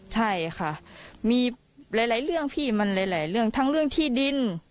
ใช่ค่ะมีหลายเรื่องพี่มันหลายเรื่องทั้งเรื่องที่ดิน